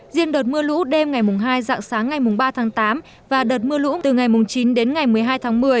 riêng đợt mưa lũ đêm ngày hai dạng sáng ngày ba tháng tám và đợt mưa lũ từ ngày chín đến ngày một mươi hai tháng một mươi